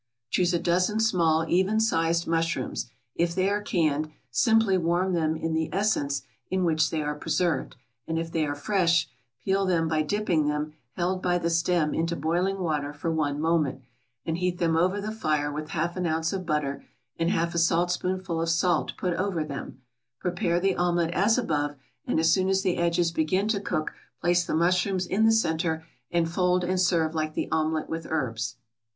= Choose a dozen small, even sized mushrooms; if they are canned, simply warm them in the essence in which they are preserved, and if they are fresh, peel them by dipping them, held by the stem, into boiling water for one moment, and heat them over the fire with half an ounce of butter and half a saltspoonful of salt put over them; prepare the omelette as above, and as soon as the edges begin to cook, place the mushrooms in the centre, and fold and serve like the omelette with herbs.